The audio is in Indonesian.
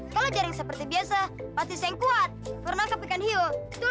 kalau jaring seperti biasa pasti yang kuat pernah ke ikan hiu betul